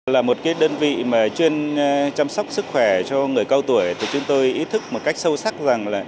là một đơn vị chuyên chăm sóc sức khỏe cho người cao tuổi chúng tôi ý thức một cách sâu sắc rằng